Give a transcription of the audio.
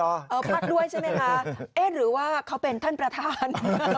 พักด้วยใช่ไหมคะเอ๊ะหรือว่าเขาเป็นท่านประธาน